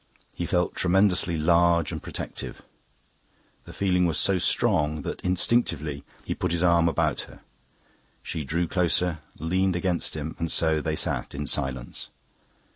He felt tremendously large and protective. The feeling was so strong that instinctively he put his arm about her. She drew closer, leaned against him, and so they sat in silence.